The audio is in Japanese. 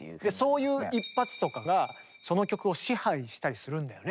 そういう一発とかがその曲を支配したりするんだよね。